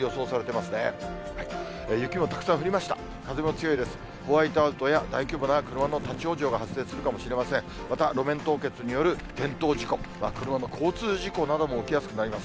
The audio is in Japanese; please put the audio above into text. また路面凍結による転倒事故、車の交通事故なども起きやすくなります。